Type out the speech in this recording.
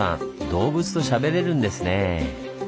動物としゃべれるんですね。